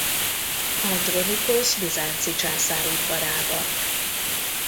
Andronikosz bizánci császár udvarában.